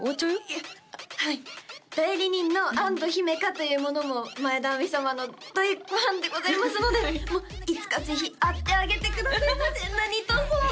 いやはい代理人の安土姫華という者も前田亜美様の大ファンでございますのでもういつかぜひ会ってあげてくださいませ何とぞ！